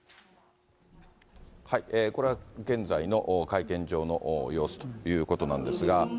これは現在の会見場の様子ということなんですが。